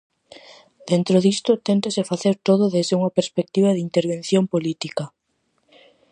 Dentro disto téntase facer todo desde unha perspectiva de intervención política.